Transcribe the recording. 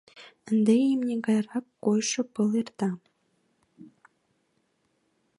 Ынде имне гайрак койшо пыл эрта.